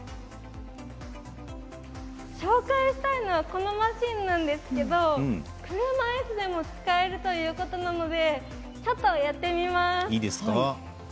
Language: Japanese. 紹介したいのはこのマシーンなんですけど車いすでも使えるということなのでちょっとやってみます。